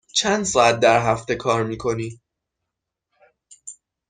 چند ساعت در هفته کار می کنی؟